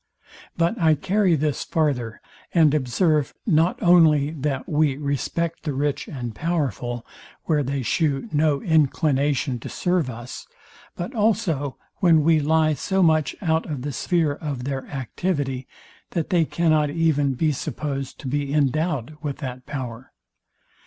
But I carry this farther, and observe, not only that we respect the rich and powerful, where they shew no inclination to serve us, but also when we lie so much out of the sphere of their activity, that they cannot even be supposed to be endowed with that power.